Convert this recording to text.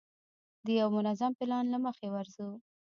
د یوه منظم پلان له مخې ورځو.